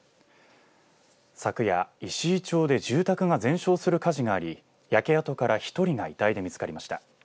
昨夜、石井町で住宅が全焼する火事があり焼け跡から１人が遺体で見つかりました。